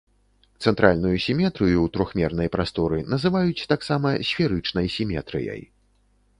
Цэнтральную сіметрыю ў трохмернай прасторы называюць таксама сферычнай сіметрыяй.